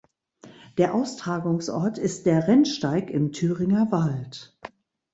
Der Austragungsort ist der Rennsteig im Thüringer Wald.